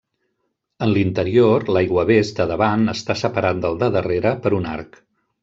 En l'interior, l'aiguavés de davant està separat del de darrere per un arc.